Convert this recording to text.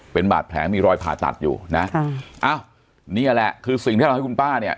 เป็นบาดแผลมีรอยผ่าตัดอยู่นะค่ะอ้าวนี่แหละคือสิ่งที่เราให้คุณป้าเนี่ย